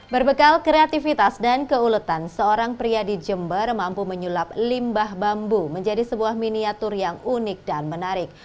berbekal kreativitas dan keuletan seorang pria di jember mampu menyulap limbah bambu menjadi sebuah miniatur yang unik dan menarik